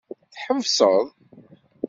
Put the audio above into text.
Tḥebseḍ.